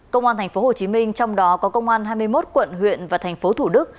công an tp hcm trong đó có công an hai mươi một quận huyện và tp thủ đức